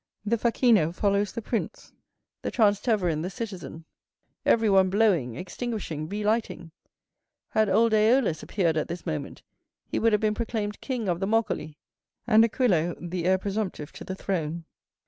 The facchino follows the prince, the Transteverin the citizen, everyone blowing, extinguishing, relighting. Had old Æolus appeared at this moment, he would have been proclaimed king of the moccoli, and Aquilo the heir presumptive to the throne.